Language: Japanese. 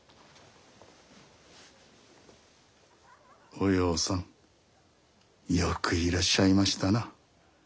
おようさんよくいらっしゃいましたな。